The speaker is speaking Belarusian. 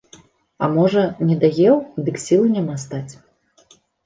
А можа, недаеў, дык сілы няма стаць.